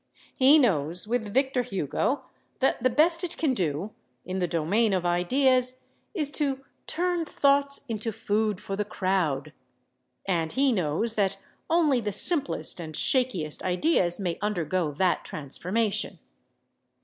He knows, with Victor Hugo, that the best it can do, in the domain of ideas, is to "turn thoughts into food for the crowd," and he knows that only the simplest and shakiest ideas may undergo that transformation.